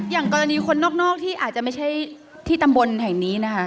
อย่างกรณีคนนอกที่อาจจะไม่ใช่ที่ตำบลแห่งนี้นะคะ